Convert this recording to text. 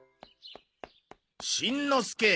しんのすけ。